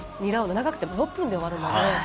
長くても６分で終わるので。